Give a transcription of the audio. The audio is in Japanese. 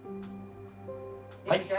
はい。